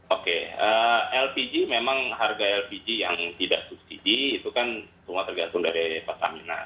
oke lpg memang harga lpg yang tidak subsidi itu kan semua tergantung dari pertamina